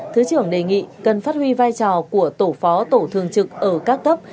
thứ trưởng đề nghị cần phát huy vai trò của tổ phó tổ thường trực ở các cấp